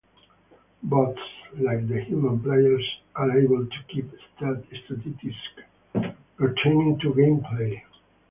Bots, like the human players, are able to keep statistics pertaining to gameplay.